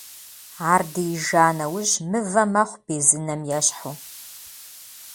Ар диижа нэужь мывэ мэхъу, безынэм ещхьу.